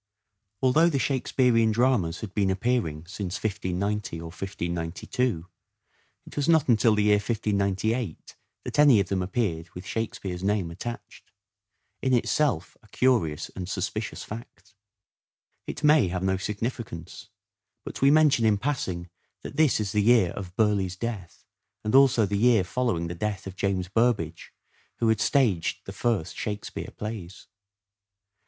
Although the Shakespearean dramas had been appearing since 1590 or 1592, it was not until the year 1598 that any of them appeared with Shakespeare's name attached : in itself a curious and suspicious fact. It may have no significance, but we mention in passing that this is the year of Burleigh's death and also the year following the death of James Burbage who had staged the first " Shake speare " plays.